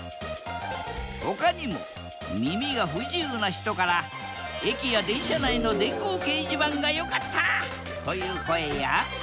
ほかにも耳が不自由な人から駅や電車内の電光掲示板が良かったという声や。